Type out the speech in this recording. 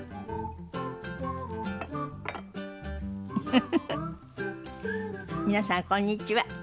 フフフフ皆さんこんにちは。